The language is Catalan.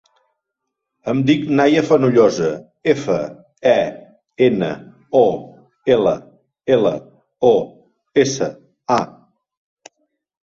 Em dic Nahia Fenollosa: efa, e, ena, o, ela, ela, o, essa, a.